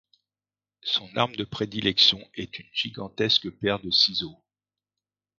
Son arme de prédilection est une gigantesque paire de ciseaux.